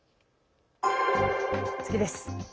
次です。